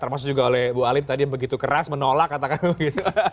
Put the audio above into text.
termasuk juga oleh bu alim tadi yang begitu keras menolak katakan begitu